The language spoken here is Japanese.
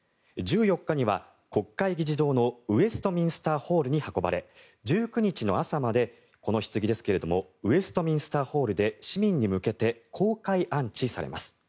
１４日には国会議事堂のウェストミンスターホールに運ばれ１９日の朝までこのひつぎですけどもウェストミンスターホールで市民に向けて公開安置されます。